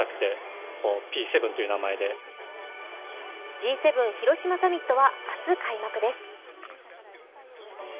Ｇ７広島サミットは明日開幕です。